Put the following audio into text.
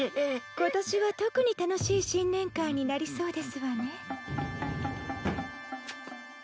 今年は特に楽しい新年会になりそうですわね。